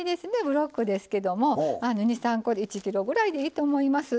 ブロックですけども２３コで１ｋｇぐらいでいいと思います。